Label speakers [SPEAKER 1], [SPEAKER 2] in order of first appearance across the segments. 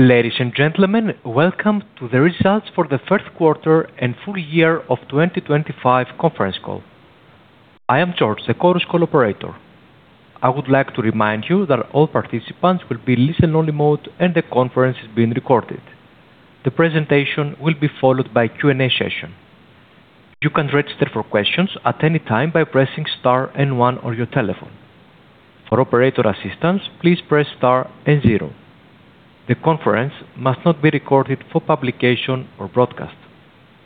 [SPEAKER 1] Ladies and gentlemen, welcome to the results for the first quarter and full year of 2025 conference call. I am George, the Chorus Call operator. I would like to remind you that all participants will be in listen-only mode and the conference is being recorded. The presentation will be followed by a Q&A session. You can register for questions at any time by pressing star and one on your telephone. For operator assistance, please press star and zero. The conference may not be recorded for publication or broadcast.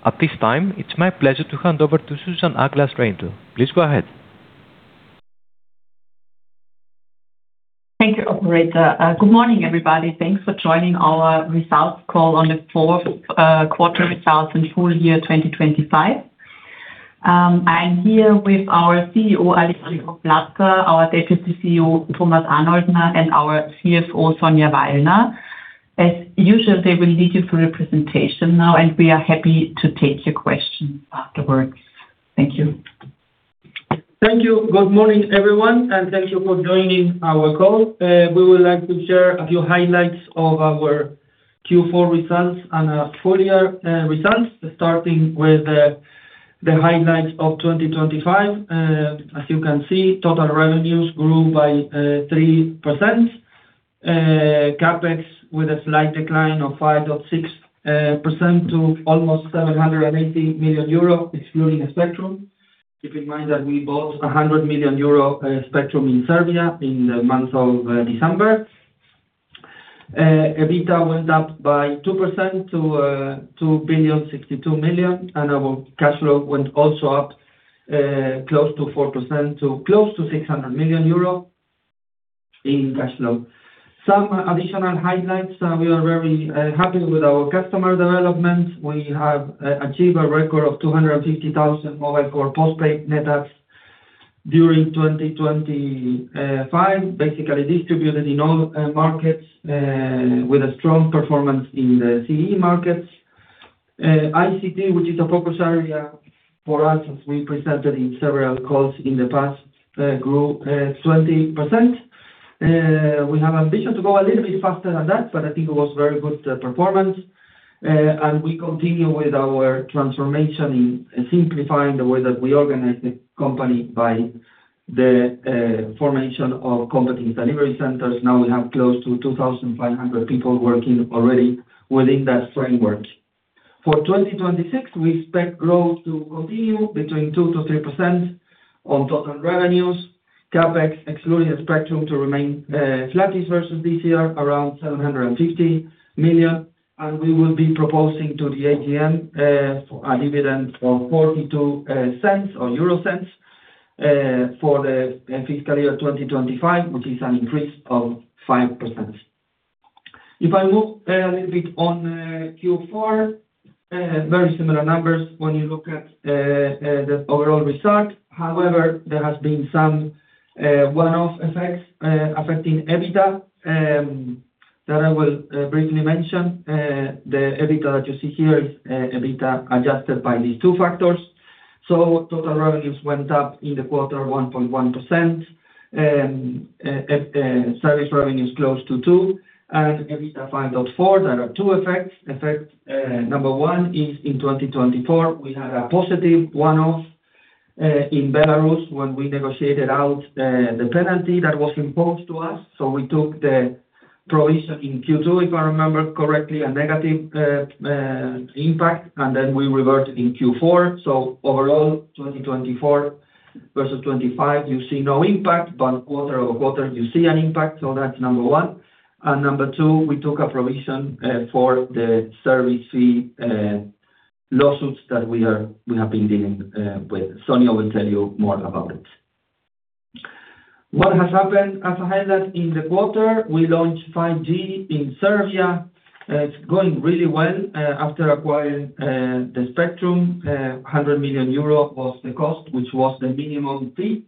[SPEAKER 1] At this time, it's my pleasure to hand over to Susanne Aglas-Reindl. Please go ahead.
[SPEAKER 2] Thank you, operator. Good morning, everybody. Thanks for joining our results call on the fourth quarter results and full year 2025. I'm here with our CEO, Alejandro Plater, our Deputy CEO, Thomas Arnoldner, and our CFO, Sonja Wallner. As usual, they will lead you through the presentation now, and we are happy to take your questions afterwards. Thank you.
[SPEAKER 3] Thank you. Good morning, everyone, and thank you for joining our call. We would like to share a few highlights of our Q4 results and full year results, starting with the highlights of 2025. As you can see, total revenues grew by 3%, CapEx with a slight decline of 5.6% to almost 780 million euro, excluding a spectrum. Keep in mind that we bought 100 million euro spectrum in Serbia in the month of December. EBITDA went up by 2% to 2.62 million, and our cash flow went also up close to 4% to close to 600 million euro in cash flow. Some additional highlights: we are very happy with our customer development. We have achieved a record of 250,000 mobile core postpaid net adds during 2025, basically distributed in all markets with a strong performance in the CEE markets. ICT, which is a focus area for us as we presented in several calls in the past, grew 20%. We have ambition to go a little bit faster than that, but I think it was very good performance. We continue with our transformation in simplifying the way that we organize the company by the formation of competence delivery centers. Now we have close to 2,500 people working already within that framework. For 2026, we expect growth to continue between 2%-3% on total revenues, CapEx excluding a spectrum to remain flattish versus this year around 750 million. We will be proposing to the AGM a dividend of 0.42 for the fiscal year 2025, which is an increase of 5%. If I move a little bit on Q4, very similar numbers when you look at the overall result. However, there has been some one-off effects affecting EBITDA that I will briefly mention. The EBITDA that you see here is EBITDA adjusted by these two factors. So total revenues went up in the quarter 1.1%, service revenues close to 2%, and EBITDA 5.4%. There are two effects. Effect number one is in 2024, we had a positive one-off in Belarus when we negotiated out the penalty that was imposed to us. So we took the provision in Q2, if I remember correctly, a negative impact, and then we reverted in Q4. So overall, 2024 versus 2025, you see no impact, but quarter-over-quarter, you see an impact. So that's number one. And number two, we took a provision for the service fee lawsuits that we have been dealing with. Sonja will tell you more about it. What has happened as a highlight in the quarter: we launched 5G in Serbia. It's going really well after acquiring the spectrum. 100 million euro was the cost, which was the minimum fee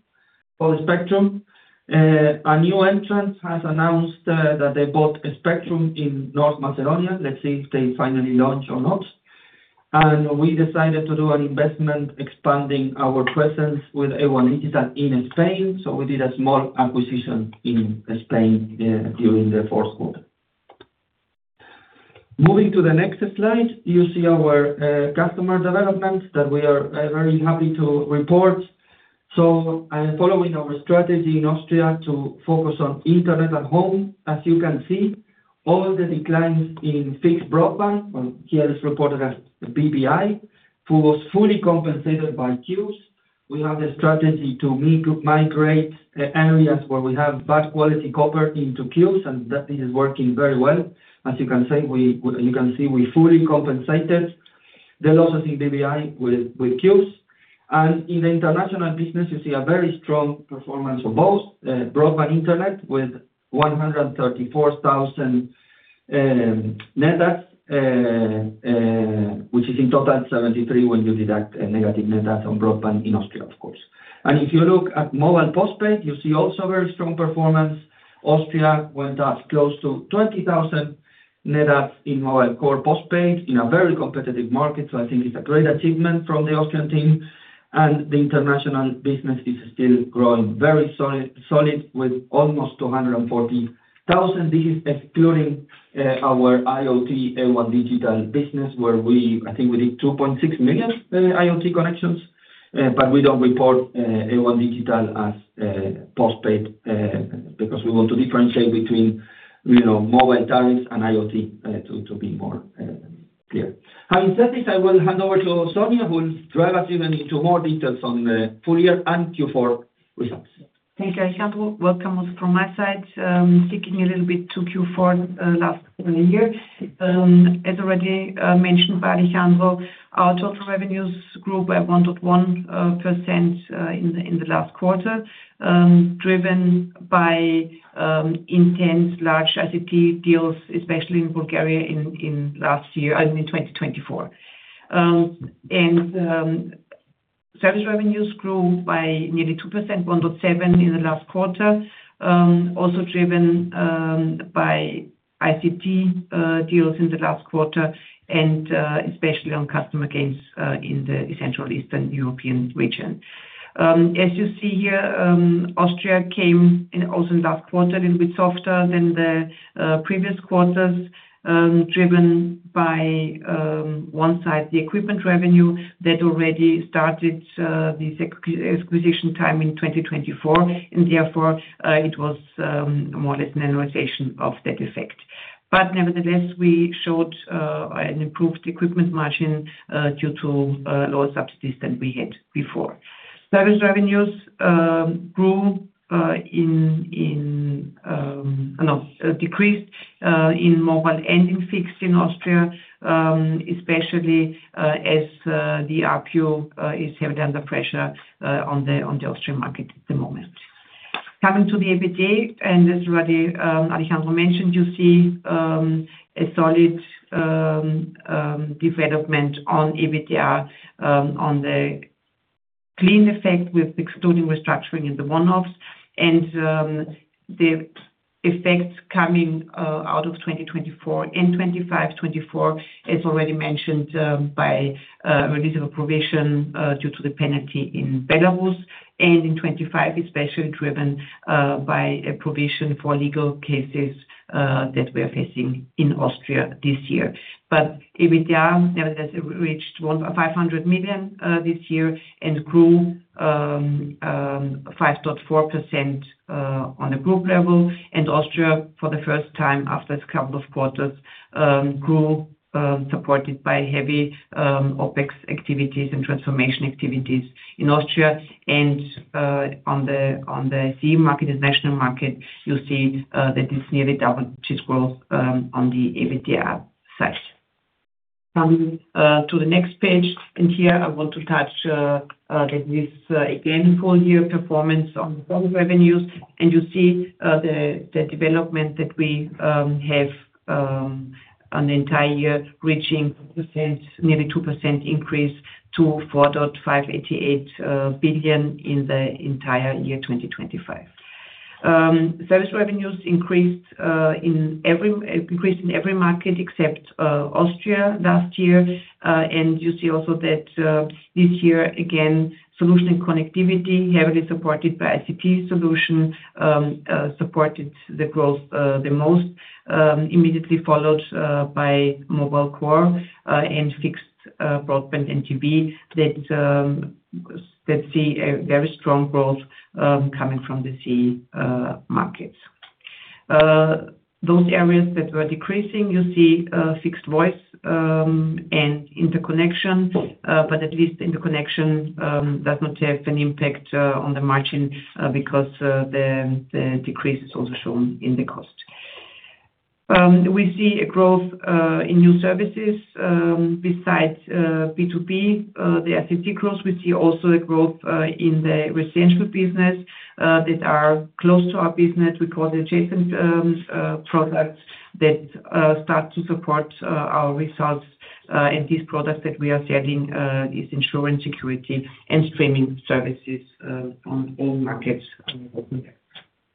[SPEAKER 3] for the spectrum. A new entrant has announced that they bought a spectrum in North Macedonia. Let's see if they finally launch or not. We decided to do an investment expanding our presence with A1 Digital in Spain. We did a small acquisition in Spain during the fourth quarter. Moving to the next slide, you see our customer development that we are very happy to report. Following our strategy in Austria to focus on internet at home, as you can see, all the declines in fixed broadband, here it's reported as BBI, was fully compensated by Cubes. We have the strategy to migrate areas where we have bad quality copper into Cubes, and this is working very well. As you can see, we fully compensated the losses in BBI with Cubes. In the international business, you see a very strong performance of both broadband internet with 134,000 net adds, which is in total 73 when you deduct negative net adds on broadband in Austria, of course. If you look at mobile postpaid, you see also very strong performance. Austria went up close to 20,000 net adds in mobile core postpaid in a very competitive market. So I think it's a great achievement from the Austrian team. The international business is still growing very solid with almost 240,000. This is excluding our IoT A1 Digital business where I think we did 2.6 million IoT connections, but we don't report A1 Digital as postpaid because we want to differentiate between mobile tariffs and IoT to be more clear. Having said this, I will hand over to Sonja, who will drive us even into more details on the full year and Q4 results.
[SPEAKER 4] Thank you, Alejandro. Welcome from my side. Sticking a little bit to Q4 last year. As already mentioned by Alejandro, our total revenues grew by 1.1% in the last quarter, driven by intense large ICT deals, especially in Bulgaria in last year, in 2024. Service revenues grew by nearly 2%, 1.7% in the last quarter, also driven by ICT deals in the last quarter, and especially on customer gains in the Central Eastern European region. As you see here, Austria came also in last quarter a little bit softer than the previous quarters, driven by, on one side, the equipment revenue that already started this acquisition time in 2024, and therefore, it was more or less an annualization of that effect. But nevertheless, we showed an improved equipment margin due to lower subsidies than we had before. Service revenues grew and decreased in mobile and in fixed in Austria, especially as the ARPU is heavily under pressure on the Austrian market at the moment. Coming to the EBITDA, and as already Alejandro mentioned, you see a solid development on EBITDA, on the clean effect with excluding restructuring and the one-offs. And the effects coming out of 2024 and 2025, 2024, as already mentioned by. Release of a provision due to the penalty in Belarus, and in 2025, especially driven by a provision for legal cases that we are facing in Austria this year. But EBITDA nevertheless reached 500 million this year and grew 5.4% on a group level. Austria, for the first time after a couple of quarters, grew supported by heavy OpEx activities and transformation activities in Austria. On the CEE market, the national market, you see that it's nearly doubled its growth on the EBITDA side. Coming to the next page, and here I want to touch again full-year performance on the total revenues. You see the development that we have on the entire year reaching nearly 2% increase to 4.588 billion in the entire year 2025. Service revenues increased in every market except Austria last year. You see also that this year, again, solution and connectivity, heavily supported by ICT solution, supported the growth the most, immediately followed by mobile core and fixed broadband and TV. Let's see a very strong growth coming from the CEE markets. Those areas that were decreasing, you see fixed voice and interconnection, but at least interconnection does not have an impact on the margin because the decrease is also shown in the cost. We see a growth in new services. Besides B2B, the ICT growth, we see also a growth in the residential business that are close to our business. We call it adjacent products that start to support our results. These products that we are selling are insurance, security, and streaming services on all markets.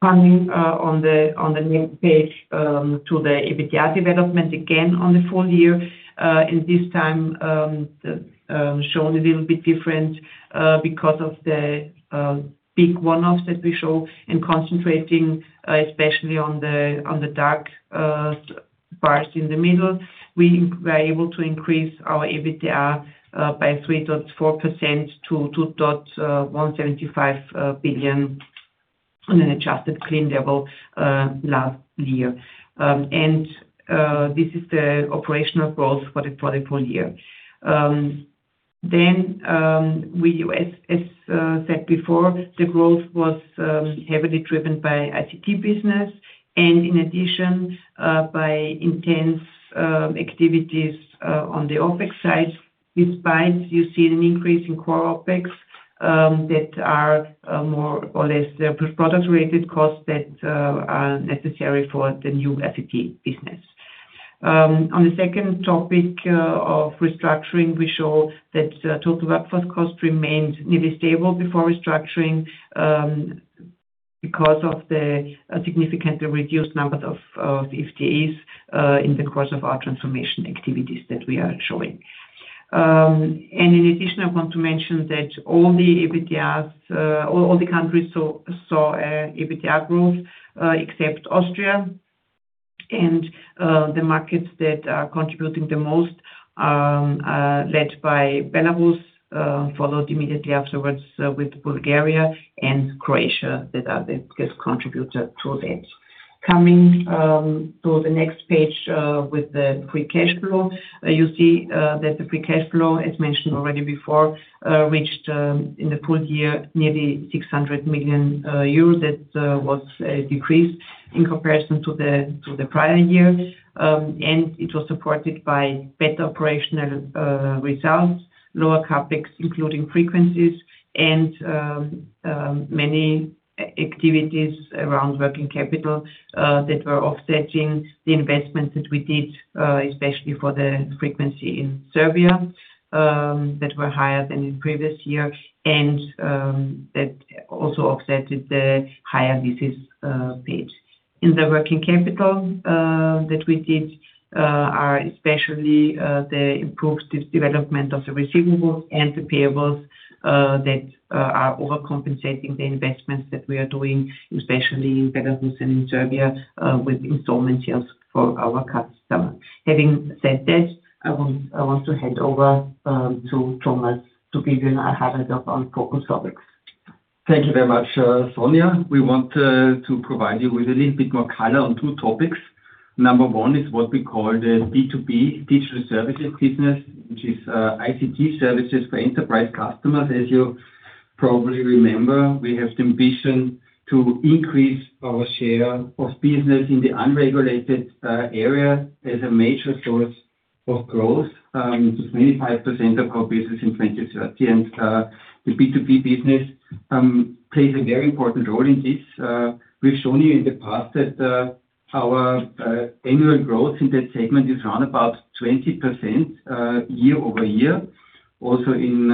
[SPEAKER 4] Coming on the next page to the EBITDA development, again on the full year, and this time shown a little bit different because of the big one-offs that we show and concentrating especially on the dark bars in the middle, we were able to increase our EBITDA by 3.4% to 2.175 billion on an adjusted clean level last year. This is the operational growth for the full year. Then, as said before, the growth was heavily driven by ICT business and in addition by intense activities on the OpEx side, despite you seeing an increase in core OpEx that are more or less product-related costs that are necessary for the new ICT business. On the second topic of restructuring, we show that total workforce cost remained nearly stable before restructuring because of the significantly reduced numbers of FTEs in the course of our transformation activities that we are showing. And in addition, I want to mention that all the countries saw EBITDA growth except Austria. And the markets that are contributing the most, led by Belarus, followed immediately afterwards with Bulgaria and Croatia that are the biggest contributor to that. Coming to the next page with the free cash flow, you see that the free cash flow, as mentioned already before, reached in the full year nearly 600 million euros. That was a decrease in comparison to the prior year. It was supported by better operational results, lower CapEx, including frequencies, and many activities around working capital that were offsetting the investments that we did, especially for the frequency in Serbia that were higher than in previous year and that also offsetted the higher leases paid. In the working capital that we did are especially the improved development of the receivables and the payables that are overcompensating the investments that we are doing, especially in Belarus and in Serbia, with installment sales for our customers. Having said that, I want to hand over to Thomas to give you a highlight of our focus topics.
[SPEAKER 5] Thank you very much, Sonja. We want to provide you with a little bit more color on two topics. Number one is what we call the B2B digital services business, which is ICT services for enterprise customers. As you probably remember, we have the ambition to increase our share of business in the unregulated area as a major source of growth to 25% of our business in 2030. The B2B business plays a very important role in this. We've shown you in the past that our annual growth in that segment is around about 20% year-over-year. Also in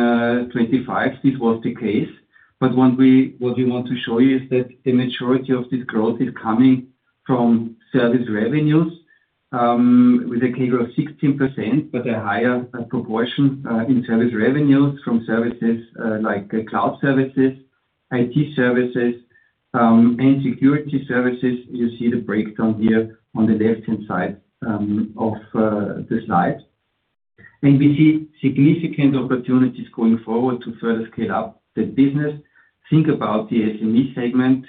[SPEAKER 5] 2025, this was the case. What we want to show you is that the majority of this growth is coming from service revenues with a CAGR of 16%, but a higher proportion in service revenues from services like cloud services, IT services, and security services. You see the breakdown here on the left-hand side of the slide. We see significant opportunities going forward to further scale up the business. Think about the SME segment.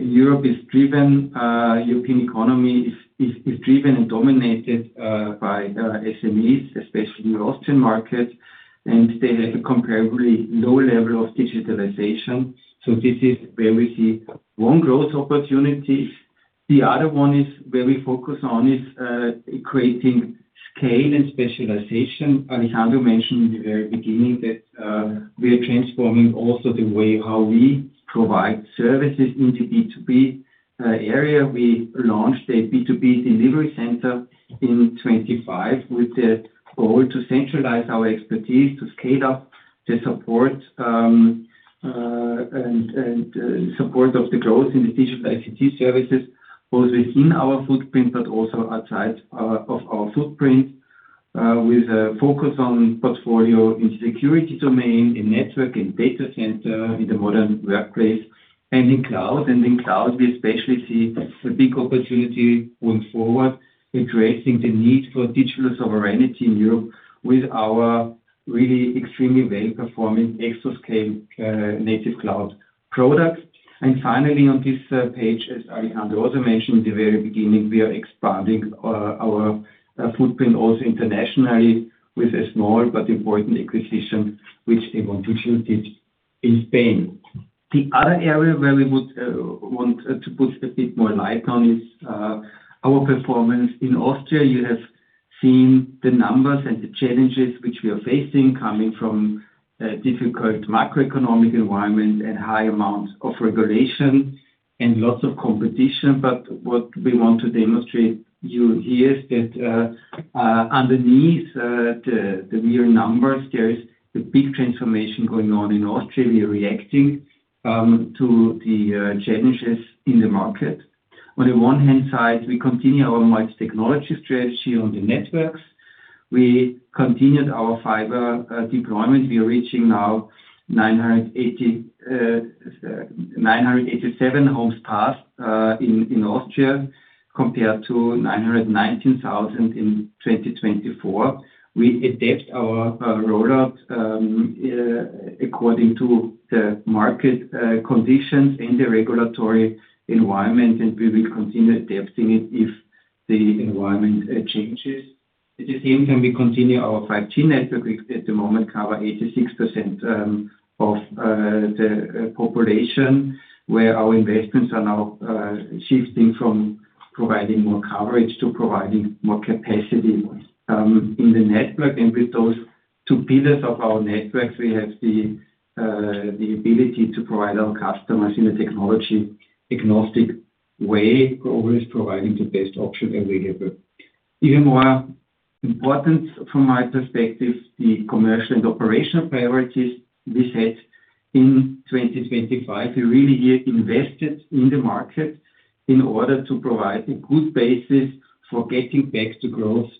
[SPEAKER 5] Europe is driven. The European economy is driven and dominated by SMEs, especially the Austrian market. They have a comparably low level of digitalization. So this is where we see one growth opportunity. The other one where we focus on is creating scale and specialization. Alejandro mentioned in the very beginning that we are transforming also the way how we provide services in the B2B area. We launched a B2B delivery center in 2025 with the goal to centralize our expertise, to scale up the support of the growth in the digital ICT services, both within our footprint but also outside of our footprint, with a focus on portfolio in the security domain, in network, in data center, in the modern workplace, and in cloud. In cloud, we especially see a big opportunity going forward addressing the need for digital sovereignty in Europe with our really extremely well-performing Exoscale native cloud products. Finally, on this page, as Alejandro also mentioned in the very beginning, we are expanding our footprint also internationally with a small but important acquisition, which A1 Digital did in Spain. The other area where we would want to put a bit more light on is our performance in Austria. You have seen the numbers and the challenges which we are facing coming from a difficult macroeconomic environment and high amount of regulation and lots of competition. But what we want to demonstrate to you here is that underneath the real numbers, there is a big transformation going on in Austria. We are reacting to the challenges in the market. On the one hand side, we continue our multi-technology strategy on the networks. We continued our fiber deployment. We are reaching now 987,000 homes passed in Austria compared to 919,000 in 2024. We adapt our rollout according to the market conditions and the regulatory environment, and we will continue adapting it if the environment changes. At the same time, we continue our 5G network. At the moment, we cover 86% of the population where our investments are now shifting from providing more coverage to providing more capacity in the network. With those two pillars of our networks, we have the ability to provide our customers in a technology-agnostic way, always providing the best option available. Even more important from my perspective, the commercial and operational priorities we set in 2025. We really have invested in the market in order to provide a good basis for getting back to growth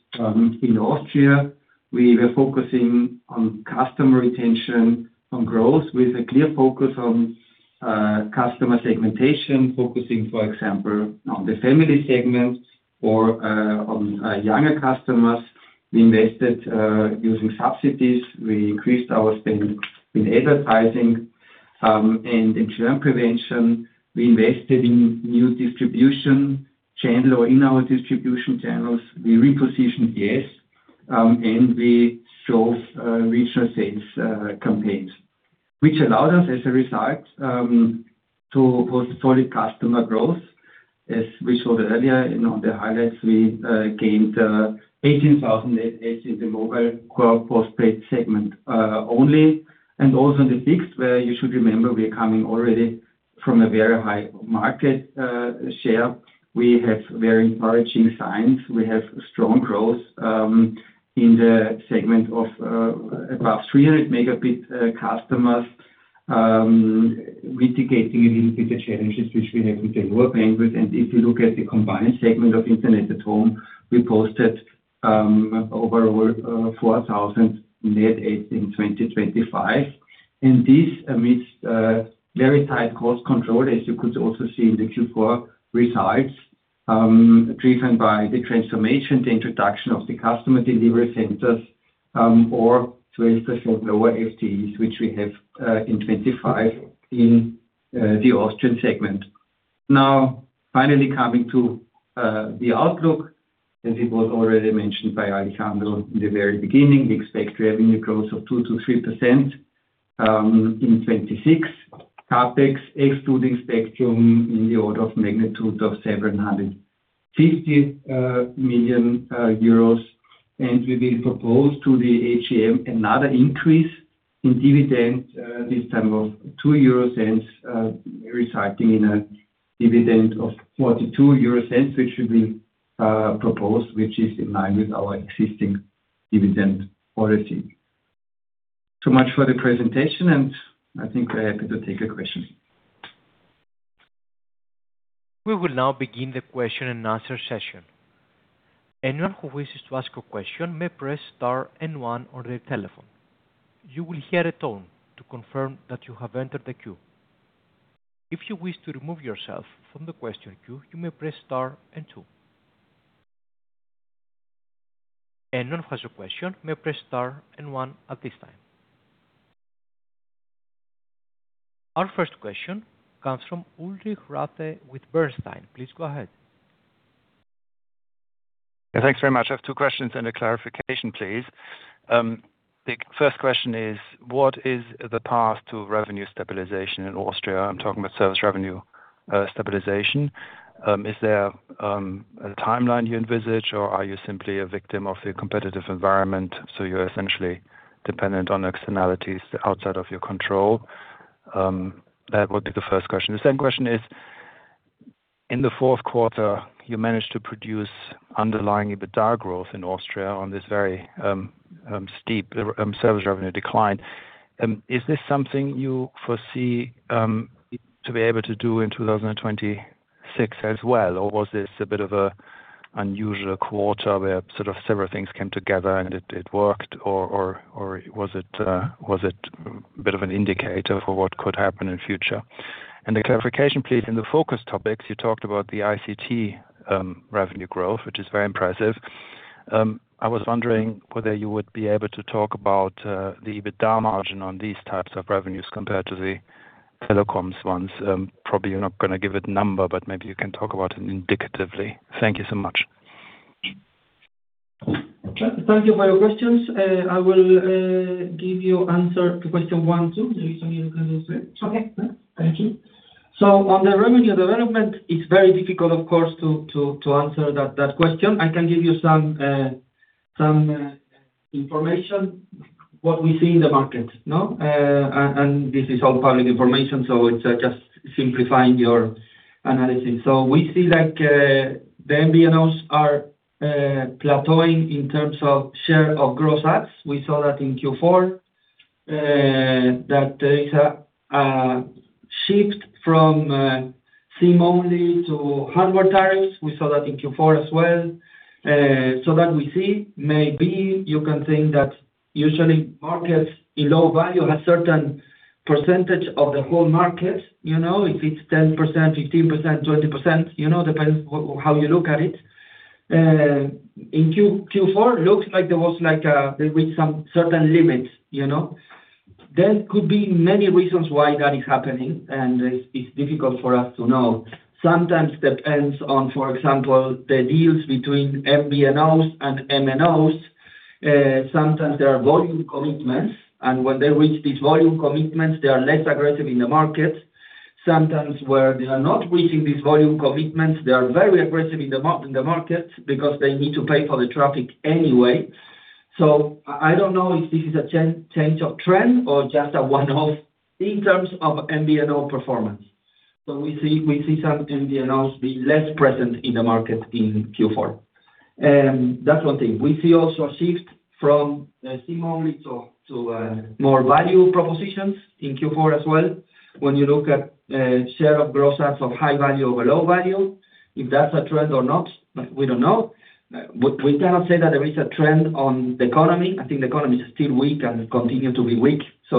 [SPEAKER 5] in Austria. We were focusing on customer retention, on growth with a clear focus on customer segmentation, focusing, for example, on the family segment or on younger customers. We invested using subsidies. We increased our spend in advertising. And in terms of promotion, we invested in new distribution channel or in our distribution channels. We repositioned yesss!, and we drove regional sales campaigns, which allowed us, as a result, to post solid customer growth. As we showed earlier on the highlights, we gained 18,000 net adds in the mobile core postpaid segment only. Also in the fixed, where you should remember we are coming already from a very high market share, we have very encouraging signs. We have strong growth in the segment of above 300 Mb customers, mitigating a little bit the challenges which we have with the lower bandwidth. If you look at the combined segment of internet at home, we posted overall 4,000 net adds in 2025. This amidst very tight cost control, as you could also see in the Q4 results, driven by the transformation, the introduction of the competence delivery centers, or 12% lower FTEs, which we have in 2025 in the Austrian segment. Now, finally coming to the outlook, as it was already mentioned by Alejandro in the very beginning, we expect revenue growth of 2%-3% in 2026, CapEx excluding spectrum in the order of magnitude of 750 million euros. We will propose to the AGM another increase in dividend, this time of 0.02, resulting in a dividend of 0.42, which we will propose, which is in line with our existing dividend policy. So much for the presentation, and I think we're happy to take your questions.
[SPEAKER 1] We will now begin the question-and-answer session. Anyone who wishes to ask a question may press star and one on their telephone. You will hear a tone to confirm that you have entered the queue. If you wish to remove yourself from the question queue, you may press star and two. Anyone who has a question may press star and one at this time. Our first question comes from Ulrich Rathe with Bernstein. Please go ahead.
[SPEAKER 6] Thanks very much. I have two questions and a clarification, please. The first question is, what is the path to revenue stabilization in Austria? I'm talking about service revenue stabilization. Is there a timeline you envisage, or are you simply a victim of the competitive environment? So you're essentially dependent on externalities outside of your control. That would be the first question. The second question is, in the fourth quarter, you managed to produce underlying EBITDA growth in Austria on this very steep service revenue decline. Is this something you foresee to be able to do in 2026 as well, or was this a bit of an unusual quarter where sort of several things came together and it worked, or was it a bit of an indicator for what could happen in the future? And a clarification, please. In the focus topics, you talked about the ICT revenue growth, which is very impressive. I was wondering whether you would be able to talk about the EBITDA margin on these types of revenues compared to the telecoms ones. Probably you're not going to give it a number, but maybe you can talk about it indicatively. Thank you so much.
[SPEAKER 3] Thank you for your questions. I will give you an answer to question one too. The reason you can do so. Thank you. So on the revenue development, it's very difficult, of course, to answer that question. I can give you some information, what we see in the market, no? And this is all public information, so it's just simplifying your analysis. So we see the MVNOs are plateauing in terms of share of gross adds. We saw that in Q4, that there is a shift from SIM-only to hardware tariffs. We saw that in Q4 as well. So that we see maybe you can think that usually markets in low value have a certain percentage of the whole market. If it's 10%, 15%, 20%, depends how you look at it. In Q4, it looks like there was like a they reached some certain limits. There could be many reasons why that is happening, and it's difficult for us to know. Sometimes it depends on, for example, the deals between MVNOs and MNOs. Sometimes there are volume commitments. And when they reach these volume commitments, they are less aggressive in the market. Sometimes where they are not reaching these volume commitments, they are very aggressive in the market because they need to pay for the traffic anyway. So I don't know if this is a change of trend or just a one-off in terms of MVNO performance. So we see some MVNOs be less present in the market in Q4. That's one thing. We see also a shift from SIM-only to more value propositions in Q4 as well. When you look at share of gross adds of high value over low value, if that's a trend or not, we don't know. We cannot say that there is a trend on the economy. I think the economy is still weak and continues to be weak. We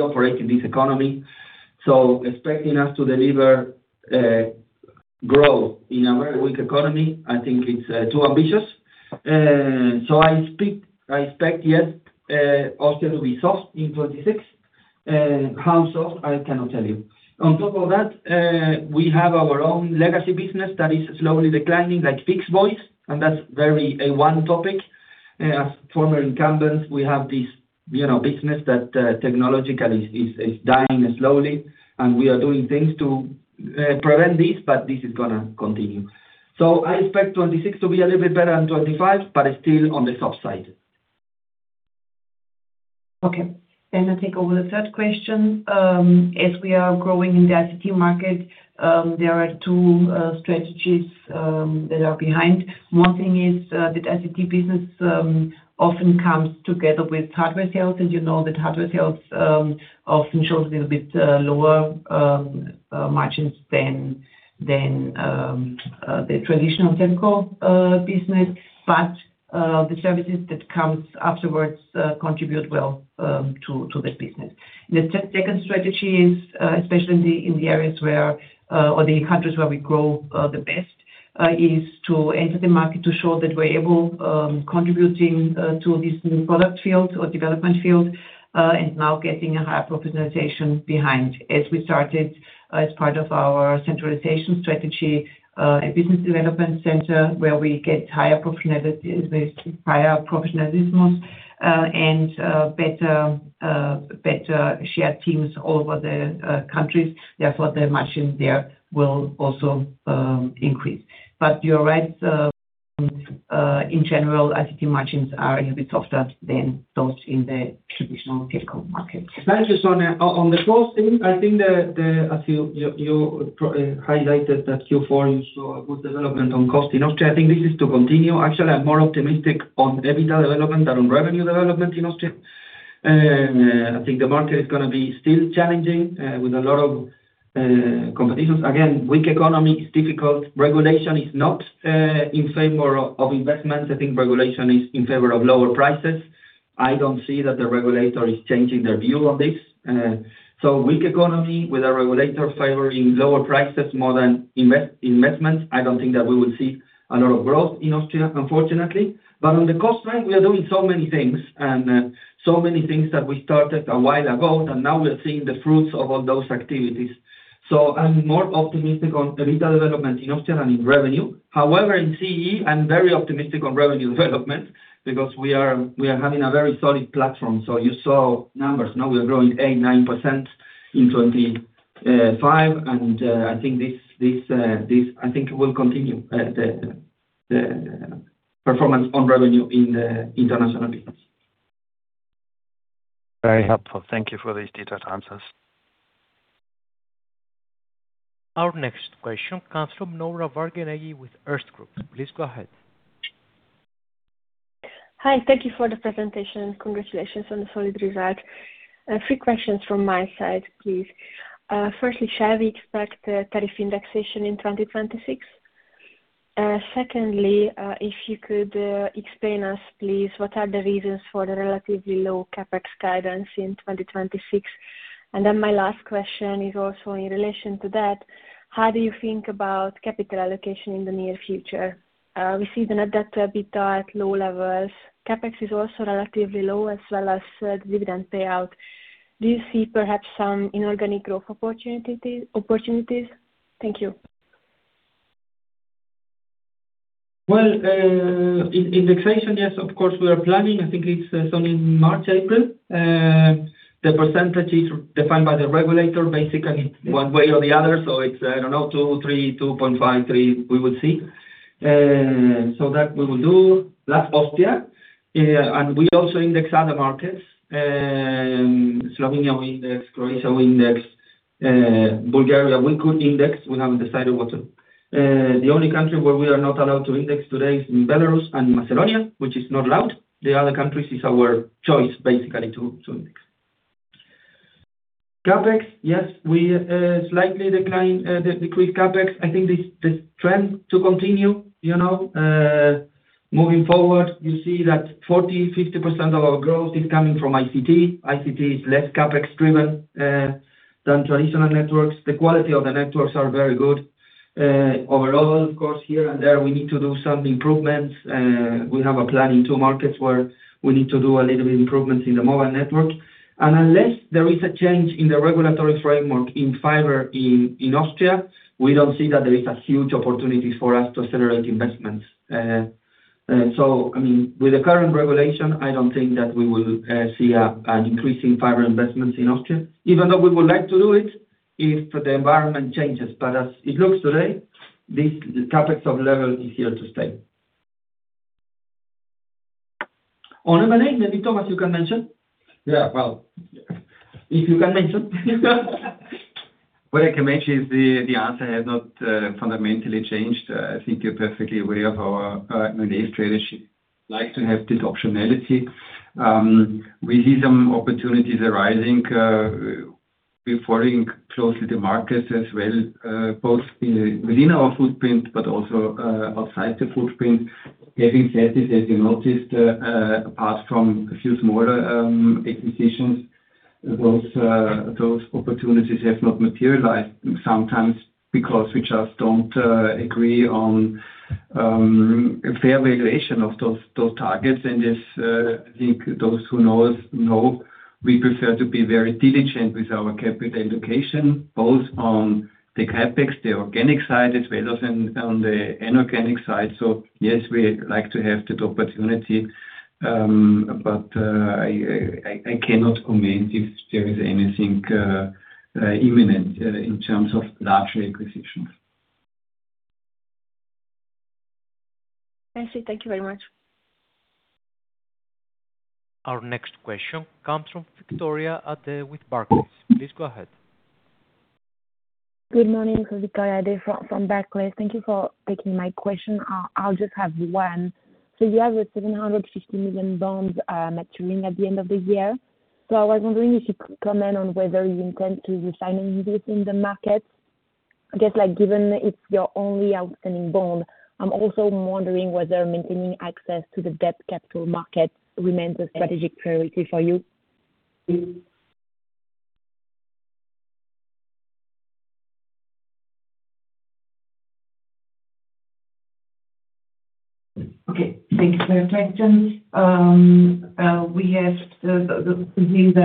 [SPEAKER 3] operate in this economy. So expecting us to deliver growth in a very weak economy, I think it's too ambitious. So I expect, yes, Austria to be soft in 2026. How soft, I cannot tell you. On top of that, we have our own legacy business that is slowly declining, like fixed voice. And that's very a one topic. As former incumbents, we have this business that technologically is dying slowly. And we are doing things to prevent this, but this is going to continue. So I expect 2026 to be a little bit better than 2025, but still on the soft side.
[SPEAKER 4] Okay. I'll take over the third question. As we are growing in the ICT market, there are two strategies that are behind. One thing is the ICT business often comes together with hardware sales. You know that hardware sales often show a little bit lower margins than the traditional telco business. The services that come afterwards contribute well to that business. The second strategy is, especially in the areas or the countries where we grow the best, is to enter the market to show that we're able contributing to this new product field or development field and now getting a higher professionalization behind. As we started as part of our centralization strategy, a business development center where we get higher professionalisms and better shared teams all over the countries, therefore, the margin there will also increase. You're right. In general, ICT margins are a little bit softer than those in the traditional telco market.
[SPEAKER 3] Thank you, Sonja. On the cost thing, I think that as you highlighted that Q4, you saw a good development on cost in Austria. I think this is to continue. Actually, I'm more optimistic on EBITDA development than on revenue development in Austria. I think the market is going to be still challenging with a lot of competitions. Again, weak economy is difficult. Regulation is not in favor of investments. I think regulation is in favor of lower prices. I don't see that the regulator is changing their view on this. So weak economy with a regulator favoring lower prices more than investments, I don't think that we will see a lot of growth in Austria, unfortunately. But on the cost side, we are doing so many things and so many things that we started a while ago, and now we are seeing the fruits of all those activities. So I'm more optimistic on EBITDA development in Austria than in revenue. However, in CE, I'm very optimistic on revenue development because we are having a very solid platform. So you saw numbers. Now we are growing 8%, 9% in 2025. And I think this I think it will continue, the performance on revenue in the international business.
[SPEAKER 6] Very helpful. Thank you for these detailed answers.
[SPEAKER 1] Our next question comes from Nora Varga-Nagy with Erste Group. Please go ahead.
[SPEAKER 7] Hi. Thank you for the presentation. Congratulations on the solid result. A few questions from my side, please. Firstly, shall we expect tariff indexation in 2026? Secondly, if you could explain us, please, what are the reasons for the relatively low CapEx guidance in 2026? And then my last question is also in relation to that. How do you think about capital allocation in the near future? We see the net debt to EBITDA at low levels. CapEx is also relatively low, as well as the dividend payout. Do you see perhaps some inorganic growth opportunities? Thank you.
[SPEAKER 3] Well, indexation, yes, of course, we are planning. I think it's something in March, April. The percentage is defined by the regulator, basically, one way or the other. So it's, I don't know, 2% or 3%, 2.5%, 3%, we will see. So that we will do. Last, Austria. And we also index other markets. Slovenia we index, Croatia we index, Bulgaria we could index. We haven't decided what to. The only country where we are not allowed to index today is Belarus and Macedonia, which is not allowed. The other countries is our choice, basically, too soon. CapEx, yes, we slightly decreased CapEx. I think this trend to continue moving forward, you see that 40%, 50% of our growth is coming from ICT. ICT is less CapEx-driven than traditional networks. The quality of the networks are very good. Overall, of course, here and there, we need to do some improvements. We have a plan in two markets where we need to do a little bit of improvements in the mobile network. And unless there is a change in the regulatory framework in fiber in Austria, we don't see that there is a huge opportunity for us to accelerate investments. So, I mean, with the current regulation, I don't think that we will see an increase in fiber investments in Austria, even though we would like to do it if the environment changes. But as it looks today, this CapEx level is here to stay. On M&A, maybe, Thomas, you can mention. If you can mention.
[SPEAKER 5] Yeah. Well. What I can mention is the answer has not fundamentally changed. I think you're perfectly aware of our M&A strategy. Like to have this optionality. We see some opportunities arising. We're following closely the markets as well, both within our footprint but also outside the footprint. Having said this, as you noticed, apart from a few smaller acquisitions, those opportunities have not materialized, sometimes because we just don't agree on fair valuation of those targets. And I think those who know know we prefer to be very diligent with our capital allocation, both on the CapEx, the organic side, as well as on the inorganic side. So yes, we like to have that opportunity. But I cannot comment if there is anything imminent in terms of larger acquisitions.
[SPEAKER 7] Fancy. Thank you very much.
[SPEAKER 1] Our next question comes from Victoria with Barclays. Please go ahead.
[SPEAKER 8] Good morning. So Victoria from Barclays. Thank you for taking my question. I'll just have one. So you have a 750 million bond maturing at the end of the year. So I was wondering if you could comment on whether you intend to refinance this in the markets. I guess given it's your only outstanding bond, I'm also wondering whether maintaining access to the debt capital market remains a strategic priority for you.
[SPEAKER 4] Okay. Thanks for your question. We have to deal with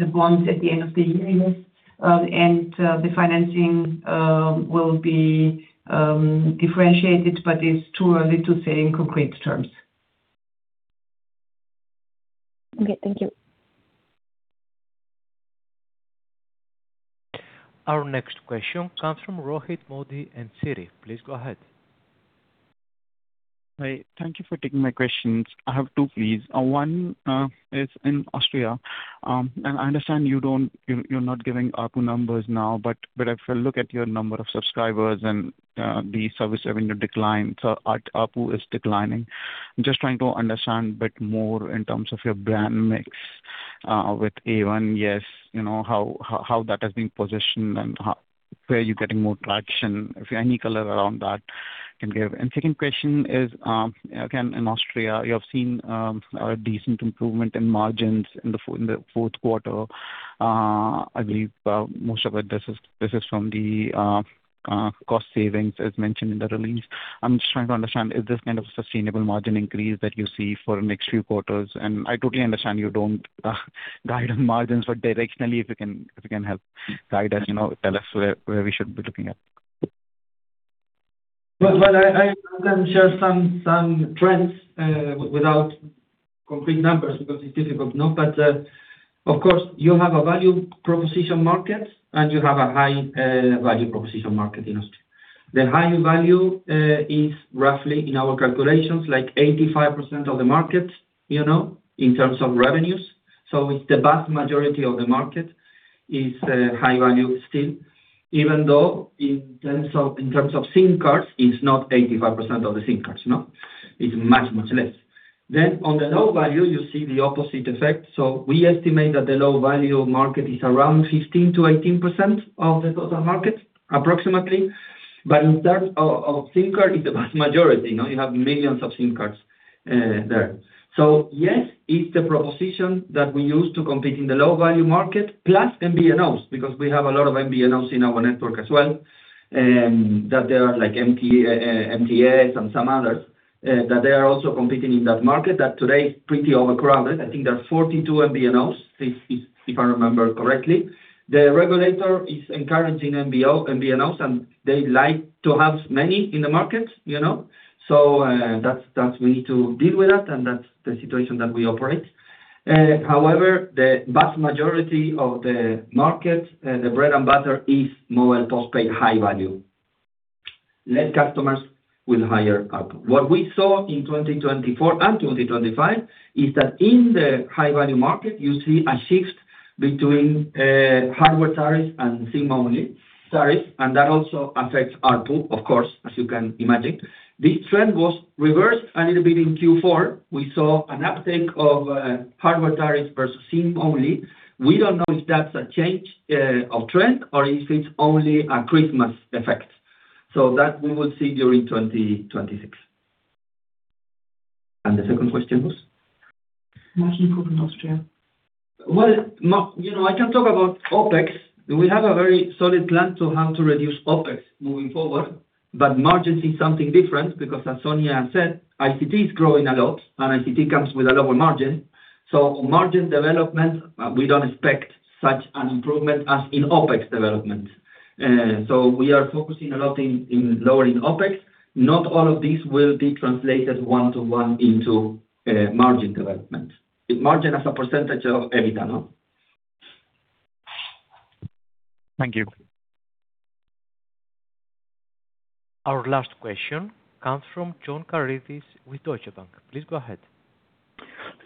[SPEAKER 4] the bonds at the end of the year, yes. And the financing will be differentiated, but it's too early to say in concrete terms.
[SPEAKER 8] Okay. Thank you.
[SPEAKER 1] Our next question comes from Rohit Modi. Please go ahead.
[SPEAKER 9] Hi. Thank you for taking my questions. I have two, please. One is in Austria. I understand you're not giving ARPU numbers now, but I've looked at your number of subscribers and the service revenue decline. ARPU is declining. Just trying to understand a bit more in terms of your brand mix with A1, yes, how that has been positioned and where you're getting more traction, if any color around that can give. Second question is, again, in Austria, you have seen a decent improvement in margins in the fourth quarter. I believe most of it, this is from the cost savings as mentioned in the release. I'm just trying to understand, is this kind of a sustainable margin increase that you see for the next few quarters? I totally understand you don't guide on margins, but directionally, if you can help guide us, tell us where we should be looking at.
[SPEAKER 3] Well, I can share some trends without concrete numbers because it's difficult, no? But of course, you have a value proposition market, and you have a high value proposition market in Austria. The high value is roughly, in our calculations, like 85% of the market in terms of revenues. So it's the vast majority of the market is high value still, even though in terms of SIM cards, it's not 85% of the SIM cards, no? It's much, much less. Then on the low value, you see the opposite effect. So we estimate that the low value market is around 15%-18% of the total market, approximately. But in terms of SIM card, it's the vast majority. You have millions of SIM cards there. So yes, it's the proposition that we use to compete in the low value market, plus MVNOs because we have a lot of MVNOs in our network as well, that there are MTEL and some others, that they are also competing in that market that today is pretty overcrowded. I think there are 42 MVNOs, if I remember correctly. The regulator is encouraging MVNOs, and they like to have many in the market. So we need to deal with that, and that's the situation that we operate. However, the vast majority of the market, the bread and butter, is mobile postpaid high value, net customers with higher ARPU. What we saw in 2024 and 2025 is that in the high value market, you see a shift between hardware tariffs and SIM-only tariffs, and that also affects ARPU, of course, as you can imagine. This trend was reversed a little bit in Q4. We saw an uptake of hardware tariffs versus SIM-only. We don't know if that's a change of trend or if it's only a Christmas effect. So that we will see during 2026. And the second question was?
[SPEAKER 4] Much improvement in Austria.
[SPEAKER 3] Well, I can talk about OpEx. We have a very solid plan to how to reduce OpEx moving forward. But margins is something different because, as Sonja said, ICT is growing a lot, and ICT comes with a lower margin. So margin development, we don't expect such an improvement as in OpEx development. So we are focusing a lot in lowering OpEx. Not all of this will be translated one-to-one into margin development, margin as a percentage of EBITDA, no?
[SPEAKER 9] Thank you.
[SPEAKER 1] Our last question comes from John Karidis with Deutsche Bank. Please go ahead.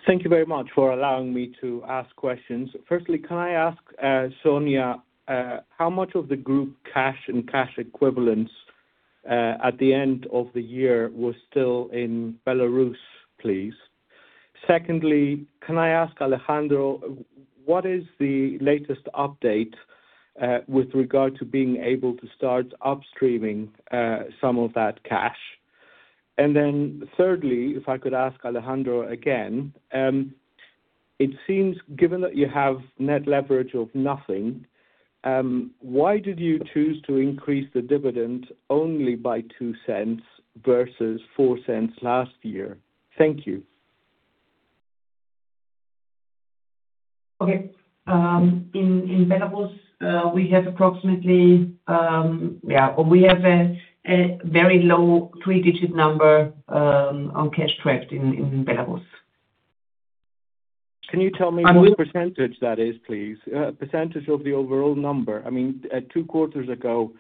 [SPEAKER 10] Thank you very much for allowing me to ask questions. Firstly, can I ask Sonja, how much of the group cash and cash equivalents at the end of the year was still in Belarus, please? Secondly, can I ask Alejandro, what is the latest update with regard to being able to start upstreaming some of that cash? And then thirdly, if I could ask Alejandro again, it seems given that you have net leverage of nothing, why did you choose to increase the dividend only by 0.02 cents versus 0.04 cents last year? Thank you.
[SPEAKER 4] Okay. In Belarus, we have approximately yeah, we have a very low three-digit number on cash tracked in Belarus.
[SPEAKER 10] Can you tell me what percentage that is, please? Percentage of the overall number. I mean, two quarters ago,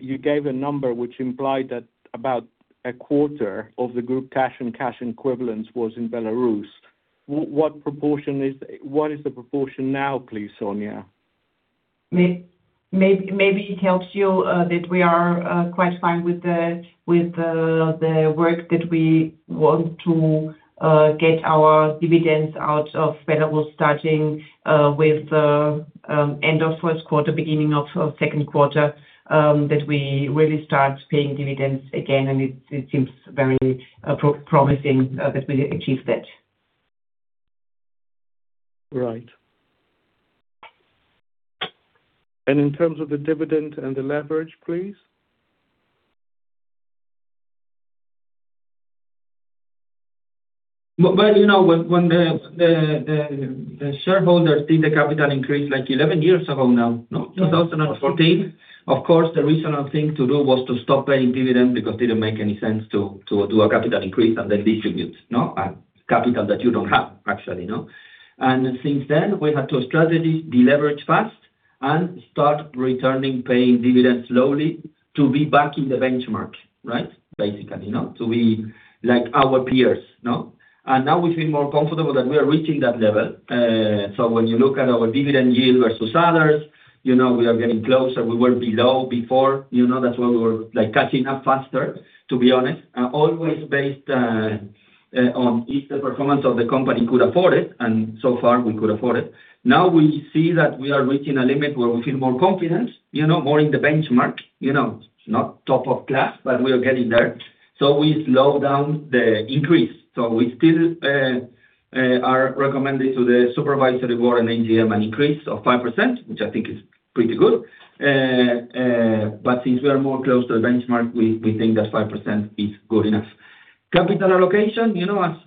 [SPEAKER 10] you gave a number which implied that about a quarter of the group cash and cash equivalents was in Belarus. What is the proportion now, please, Sonja?
[SPEAKER 4] Maybe it helps you that we are quite fine with the work that we want to get our dividends out of Belarus starting with the end of first quarter, beginning of second quarter, that we really start paying dividends again. It seems very promising that we achieve that.
[SPEAKER 10] Right. And in terms of the dividend and the leverage, please?
[SPEAKER 3] Well, when the shareholders did the capital increase like 11 years ago now, no? 2014, of course, the reasonable thing to do was to stop paying dividend because it didn't make any sense to do a capital increase and then distribute, no? Capital that you don't have, actually, no? And since then, we had two strategies: deleverage fast and start returning, paying dividends slowly to be back in the benchmark, right? Basically, no? To be like our peers, no? And now we feel more comfortable that we are reaching that level. So when you look at our dividend yield versus others, we are getting closer. We were below before. That's why we were catching up faster, to be honest, always based on if the performance of the company could afford it, and so far, we could afford it. Now we see that we are reaching a limit where we feel more confident, more in the benchmark, not top of class, but we are getting there. So we slow down the increase. So we still are recommending to the supervisory board and AGM an increase of 5%, which I think is pretty good. But since we are more close to the benchmark, we think that 5% is good enough. Capital allocation,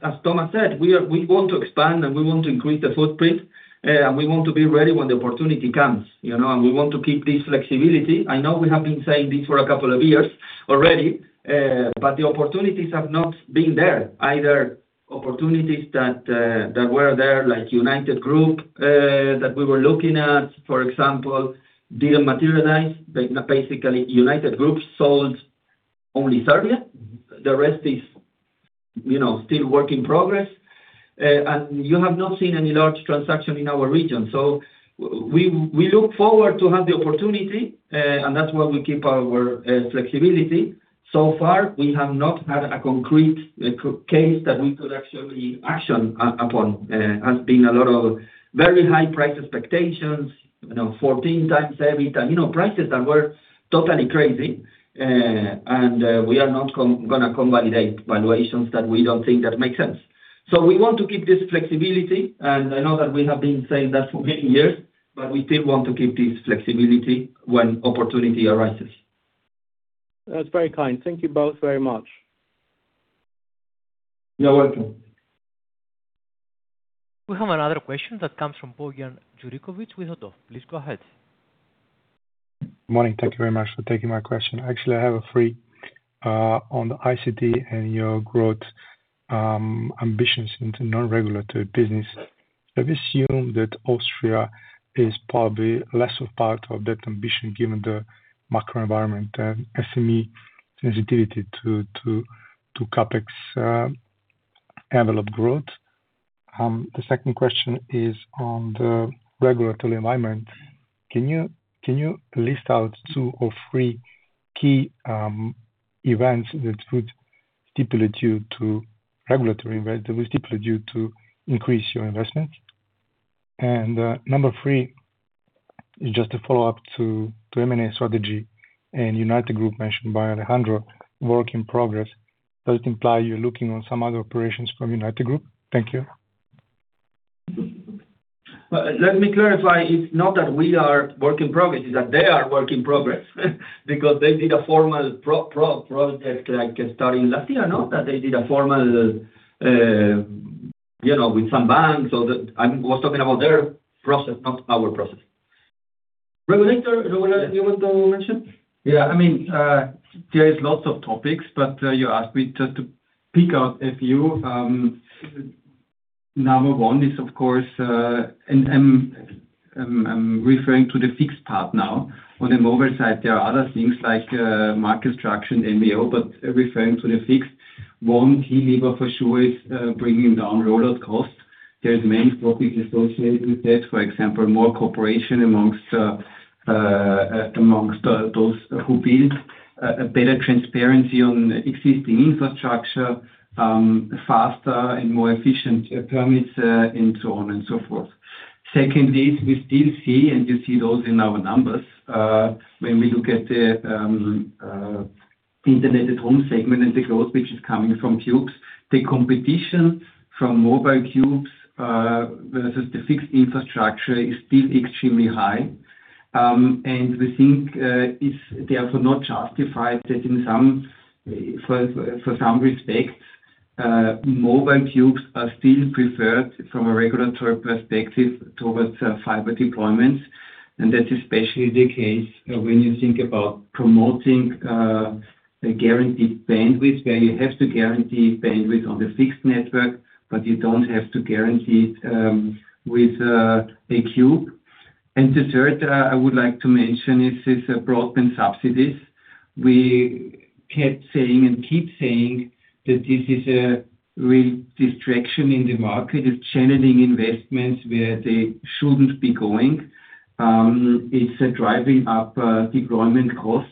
[SPEAKER 3] as Thomas said, we want to expand, and we want to increase the footprint, and we want to be ready when the opportunity comes. And we want to keep this flexibility. I know we have been saying this for a couple of years already, but the opportunities have not been there, either opportunities that were there, like United Group that we were looking at, for example, didn't materialize. Basically, United Group sold only Serbia. The rest is still work in progress. You have not seen any large transaction in our region. We look forward to have the opportunity, and that's why we keep our flexibility. So far, we have not had a concrete case that we could actually action upon. There has been a lot of very high price expectations, 14x every time, prices that were totally crazy. We are not going to convalidate valuations that we don't think that make sense. We want to keep this flexibility. I know that we have been saying that for many years, but we still want to keep this flexibility when opportunity arises.
[SPEAKER 10] That's very kind. Thank you both very much.
[SPEAKER 3] You're welcome.
[SPEAKER 1] We have another question that comes from Bojan Djurickovic with ODDO. Please go ahead.
[SPEAKER 11] Good morning. Thank you very much for taking my question. Actually, I have a few on the ICT and your growth ambitions into non-regulated business. I've assumed that Austria is probably less a part of that ambition given the macro environment and SME sensitivity to CapEx envelope growth. The second question is on the regulatory environment. Can you list out two or three key events that would stimulate you to regulatory investment that would stimulate you to increase your investments? And number three is just a follow-up to M&A strategy and United Group mentioned by Alejandro, work in progress. Does it imply you're looking at some other operations from United Group? Thank you.
[SPEAKER 3] Let me clarify. It's not that we are work in progress. It's that they are work in progress because they did a formal project starting last year, no? That they did a formal with some banks. I was talking about their process, not our process. Regulator, you want to mention?
[SPEAKER 5] Yeah. I mean, there are lots of topics, but you asked me just to pick out a few. Number one is, of course, and I'm referring to the fixed part now. On the mobile side, there are other things like market structure, MVNO, but referring to the fixed, one key lever for sure is bringing down rollout costs. There are many topics associated with that. For example, more cooperation among those who build, better transparency on existing infrastructure, faster and more efficient permits, and so on and so forth. Secondly, we still see, and you see those in our numbers when we look at the internet at home segment and the growth which is coming from Cubes, the competition from mobile Cubes versus the fixed infrastructure is still extremely high. We think it's therefore not justified that in some respects, mobile Cubes are still preferred from a regulatory perspective towards fiber deployments. And that's especially the case when you think about promoting guaranteed bandwidth where you have to guarantee bandwidth on the fixed network, but you don't have to guarantee it with a Cube. And the third I would like to mention is broadband subsidies. We kept saying and keep saying that this is a real distraction in the market, is channeling investments where they shouldn't be going. It's driving up deployment costs.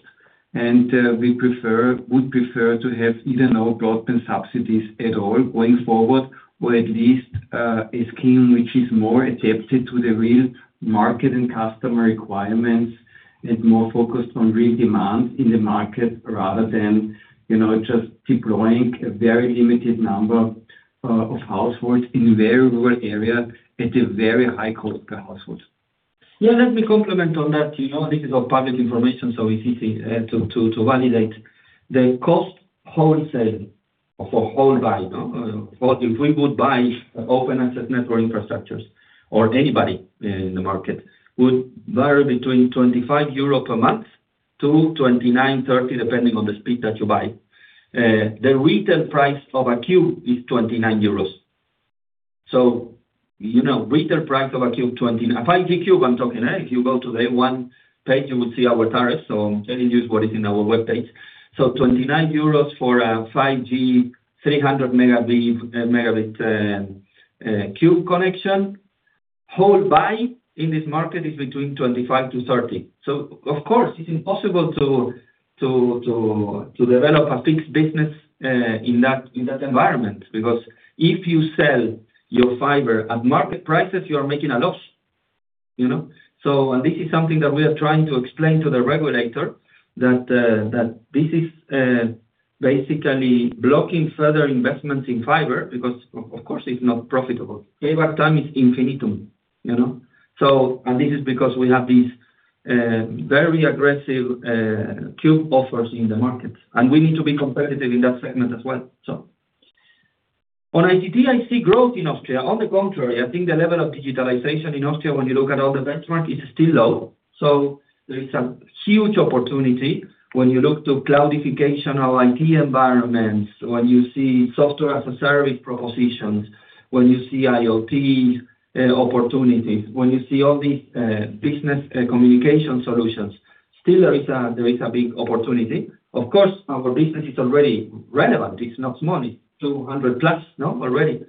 [SPEAKER 5] We would prefer to have either no broadband subsidies at all going forward or at least a scheme which is more adapted to the real market and customer requirements and more focused on real demand in the market rather than just deploying a very limited number of households in a very rural area at a very high cost per household.
[SPEAKER 3] Yeah. Let me comment on that. This is all public information, so it's easy to validate. The wholesale cost for wholesale buy, no? If we would buy open access network infrastructures or anybody in the market, would vary between 25 euro a month to 29.30, depending on the speed that you buy. The retail price of a Cube is 29 euros. So retail price of a Cube, 5G Cube, I'm talking. If you go to the A1 page, you would see our tariffs. So I'm telling you what is in our web page. So 29 euros for a 5G 300 Mb Cube connection. Wholesale buy in this market is between 25-30. So of course, it's impossible to develop a fixed business in that environment because if you sell your fiber at market prices, you are making a loss. This is something that we are trying to explain to the regulator, that this is basically blocking further investments in fiber because, of course, it's not profitable. Payback time is infinitum. And this is because we have these very aggressive Cube offers in the market. And we need to be competitive in that segment as well, so. On ICT, I see growth in Austria. On the contrary, I think the level of digitalization in Austria, when you look at all the benchmarks, is still low. So there is a huge opportunity when you look to cloudification of IT environments, when you see software as a service propositions, when you see IoT opportunities, when you see all these business communication solutions. Still, there is a big opportunity. Of course, our business is already relevant. It's not small. It's 200+, no? Already.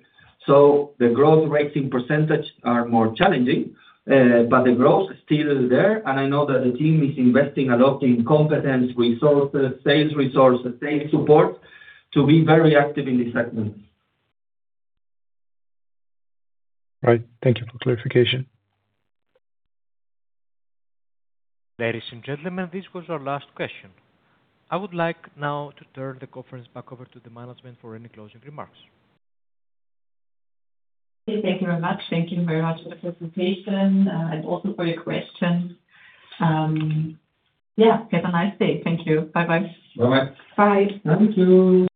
[SPEAKER 3] The growth rates in percentage are more challenging, but the growth is still there. I know that the team is investing a lot in competence resources, sales resources, sales support to be very active in this segment.
[SPEAKER 11] Right. Thank you for clarification.
[SPEAKER 1] Ladies and gentlemen, this was our last question. I would like now to turn the conference back over to the management for any closing remarks.
[SPEAKER 2] Yes. Thank you very much. Thank you very much for the presentation and also for your questions. Yeah. Have a nice day. Thank you. Bye-bye.
[SPEAKER 5] Bye-bye.
[SPEAKER 4] Bye.
[SPEAKER 3] Thank you.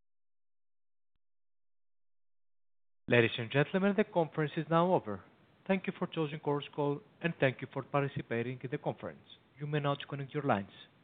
[SPEAKER 1] Ladies and gentlemen, the conference is now over. Thank you for choosing Chorus Call, and thank you for participating in the conference. You may now connect your lines. Goodbye.